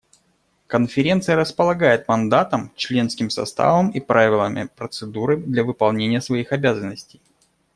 Конференция располагает мандатом, членским составом и правилами процедуры для выполнения своих обязанностей.